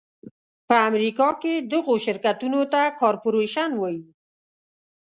په امریکا کې دغو شرکتونو ته کارپورېشن وایي.